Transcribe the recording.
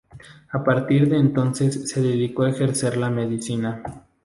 A partir de entonces se dedicó a ejercer la medicina.